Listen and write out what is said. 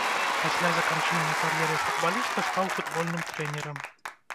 Пасля заканчэння кар'еры футбаліста стаў футбольным трэнерам.